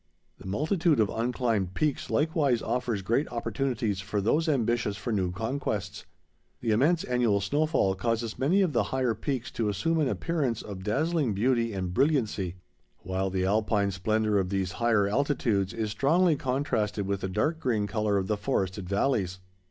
The multitude of unclimbed peaks likewise offers great opportunities for those ambitious for new conquests. The immense annual snowfall causes many of the higher peaks to assume an appearance of dazzling beauty and brilliancy, while the Alpine splendor of these higher altitudes is strongly contrasted with the dark green color of the forested valleys.